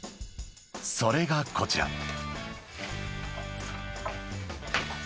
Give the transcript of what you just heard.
［それがこちら］